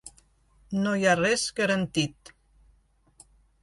No hi ha res garantit.